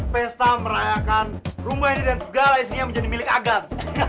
pesta merayakan rumah ini dan segala isinya menjadi milik agar